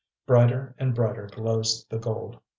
Brighter and brighter glows the gold.